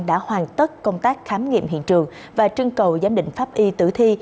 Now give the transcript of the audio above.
đã hoàn tất công tác khám nghiệm hiện trường và trưng cầu giám định pháp y tử thi